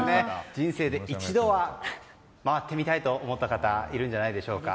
人生で一度は回ってみたいと思った方いるんじゃないでしょうか。